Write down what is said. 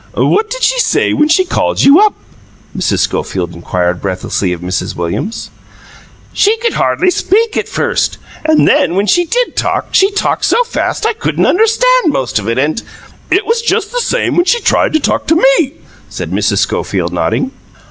"What did she say when she called YOU up?" Mrs. Schofield inquired breathlessly of Mrs. Williams. "She could hardly speak at first, and then when she did talk, she talked so fast I couldn't understand most of it, and " "It was just the same when she tried to talk to me," said Mrs. Schofield, nodding.